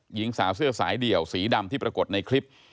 หญิงสาวเสื้อสายเดี่ยวสีดำที่ปรากฏในคลิป